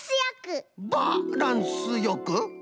ランスよく！